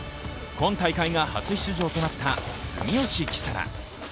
今大会が初出場となった住吉輝紗良。